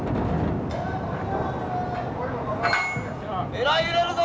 えらい揺れるぞ！